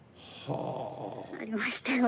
はあ。